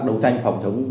đấu tranh phòng chống